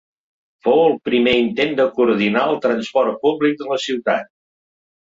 Fou el primer intent de coordinar el transport públic de la ciutat.